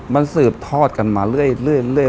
มันสืบทอดกันมาเรื่อย